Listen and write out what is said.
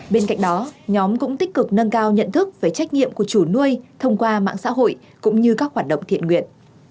bên cạnh đó nhóm cũng tích cực nâng cao nhận thức về trách nhiệm của chủ nuôi thông qua mạng xã hội cũng như các hoạt động thiện nguyện